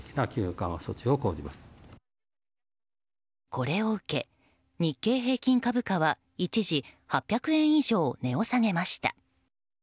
これを受け、日経平均株価は一時８００円以上値を下げました。